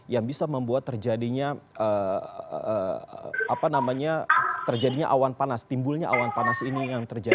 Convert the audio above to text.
yang bisa membuat terjadinya terjadinya awan panas timbulnya awan panas ini yang terjadi